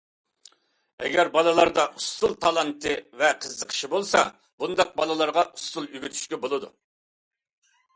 ئەگەر بالىلاردا ئۇسسۇل تالانتى ۋە قىزىقىشى بولسا، بۇنداق بالىلارغا ئۇسسۇل ئۆگىتىشكە بولىدۇ.